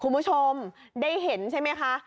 คุณผู้ชมได้เห็นใช่ไหมคะ